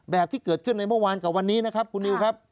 ที่เกิดขึ้นในเมื่อวานกับวันนี้นะครับคุณนิวครับ